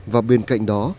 và bên cạnh đó